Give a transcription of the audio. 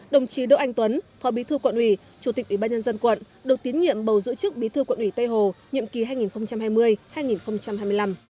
đồng chí đỗ anh tuấn phó bí thư quận ủy chủ tịch ủy ban nhân dân quận được tiến nhiệm bầu giữ chức bí thư quận ủy tây hồ nhiệm kỳ hai nghìn hai mươi hai nghìn hai mươi năm